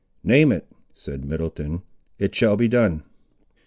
"Name it," said Middleton; "it shall be done."